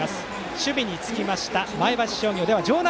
守備につきました、前橋商業。